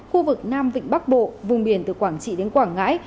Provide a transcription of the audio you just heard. khu vực nam vịnh bắc bộ vùng biển từ quảng trị đến quảng ngãi